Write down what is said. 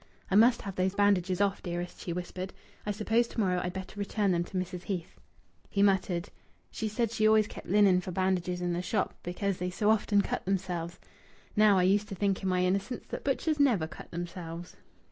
"I must have those bandages off, dearest," she whispered. "I suppose to morrow I'd better return them to Mrs. Heath." He muttered: "She said she always kept linen for bandages in the shop because they so often cut themselves. Now, I used to think in my innocence that butchers never cut themselves."